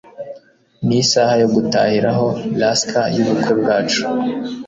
nisaha yo gutahiraho rascal yubukwe bwacu